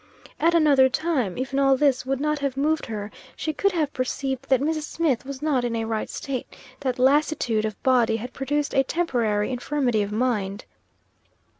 At another time, even all this would not have moved her she could have perceived that Mrs. Smith was not in a right state that lassitude of body had produced a temporary infirmity of mind.